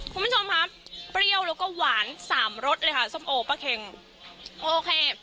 คุณผู้ชมครับเปรี้ยวแล้วก็หวานสามรสเลยค่ะส้มโอป้าเค็งโอเค